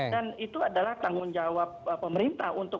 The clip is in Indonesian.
dan itu adalah tanggung jawab pemerintah untuk